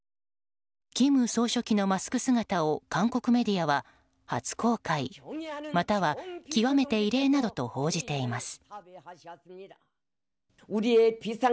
金総書記のマスク姿を韓国メディアは初公開、または極めて異例などと報じています。